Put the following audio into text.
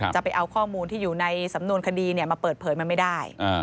จะเอาข้อมูลที่อยู่ในสำนวนคดีมาเปิดเผยมันไม่ได้